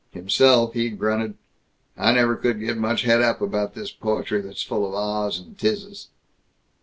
Himself, he grunted, "I never could get much het up about this poetry that's full of Ah's and 'tises."